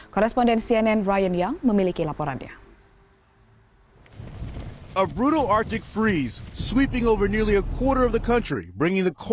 koresponden cnn ryan young memiliki laporannya